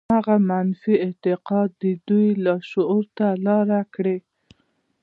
همدغه منفي اعتقاد د دوی لاشعور ته لاره کړې.